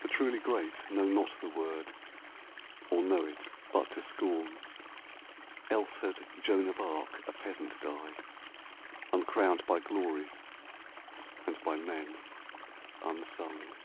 The truly great Know not the word, or know it but to scorn, Else had Joan of Arc a peasant died, Uncrowned by glory and by men unsung.